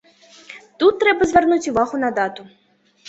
Тут трэба звярнуць увагу на дату.